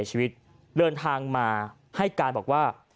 จนกระทั่งบ่าย๓โมงก็ไม่เห็นออกมา